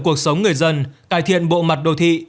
cuộc sống người dân cải thiện bộ mặt đô thị